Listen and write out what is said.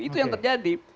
itu yang terjadi